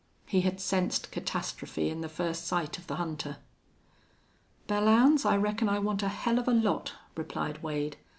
He had sensed catastrophe in the first sight of the hunter. "Belllounds, I reckon I want a hell of a lot," replied Wade.